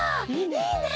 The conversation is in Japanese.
いいね！